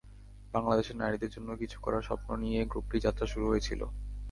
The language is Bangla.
বাংলাদেশের নারীদের জন্য কিছু করার স্বপ্ন নিয়েই গ্রুপটির যাত্রা শুরু হয়েছিল।